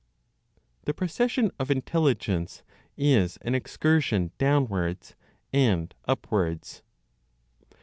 THE PROCESSION OF INTELLIGENCE IS AN EXCURSION DOWNWARDS AND UPWARDS.